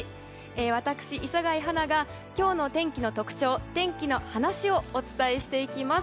私、磯貝初奈が今日の天気の特徴天気の話をお伝えしていきます。